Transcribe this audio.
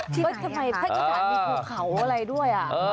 ที่ไหนค่ะทำไมภาคอีสานมีภาคเขาอะไรด้วย